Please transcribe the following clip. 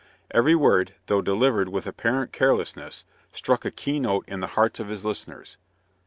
Every word, though delivered with apparent carelessness, struck a key note in the hearts of his listeners.